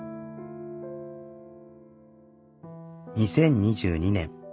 ２０２２年。